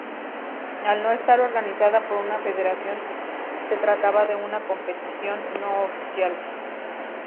Al no estar organizada por una federación se trataba de una competición no oficial.